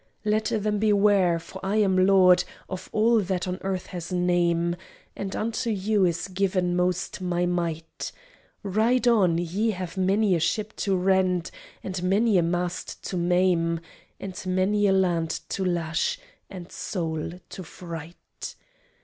"Let them beware, for I am lord Of all that on earth has name, And unto you is given most my might. Ride on, ye have many a ship to rend, And many a mast to maim, And many a land to lash and soul to fright."